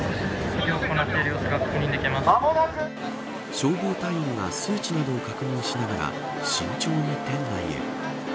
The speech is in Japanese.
消防隊員が数値などを確認しながら慎重に店内へ。